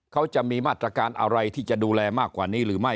เขาจะมีมาตรการอะไรที่จะดูแลมากกว่านี้หรือไม่